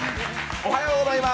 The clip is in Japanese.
おはようございます。